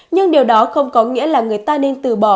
nhưng điều đó không có nghĩa là người ta nên từ bỏ